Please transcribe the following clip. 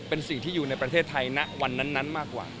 เป็นสิ่งที่อยู่ในประเทศไทยณวันนั้นมากกว่า